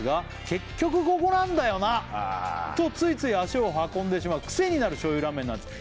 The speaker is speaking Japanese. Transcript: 「結局ここなんだよなとついつい足を運んでしまう」「くせになる醤油ラーメンなんです」